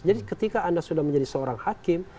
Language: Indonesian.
jadi ketika anda sudah menjadi seorang hakim